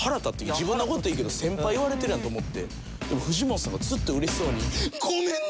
自分の事いいけど先輩言われてるやんと思ってでも藤本さんがずっと嬉しそうに。